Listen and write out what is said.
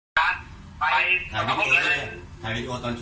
เรามาต่อแล้วนะครับ